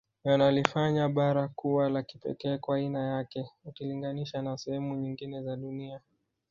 Yanalifanya bara kuwa la kipekee kwa aiana yake ukilinganisha na sehemu nyingine za dunia